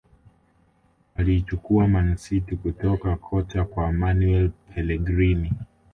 Aliichukua Man City kutoka kwa kocha Manuel Pelegrini